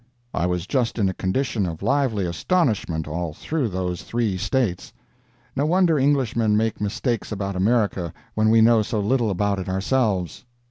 I was just in a condition of lively astonishment all through those three States. No wonder Englishmen make mistakes about America when we know so little about it ourselves.